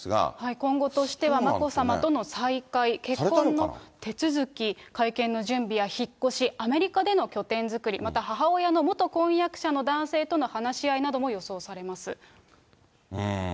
今後としては眞子さまとの再会、結婚の手続き、会見の準備や引っ越し、アメリカでの拠点作り、また、母親の元婚約者の男性との話し合いなども予想されます。